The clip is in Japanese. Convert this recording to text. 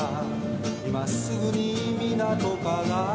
「今すぐに港から」